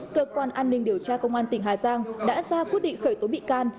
cơ quan an ninh điều tra công an tỉnh hà giang đã ra quyết định khởi tố bị can